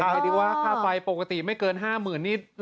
ค่าไฟปกติไม่เกิน๕หมื่นนิตร